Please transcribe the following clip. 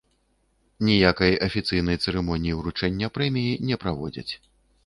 Ніякай афіцыйнай цырымоніі ўручэння прэміі не праводзяць.